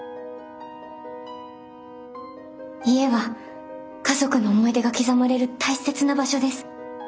家は家族の思い出が刻まれる大切な場所です。